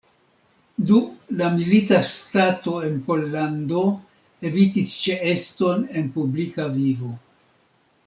Dum la milita stato en Pollando evitis ĉeeston en publika vivo.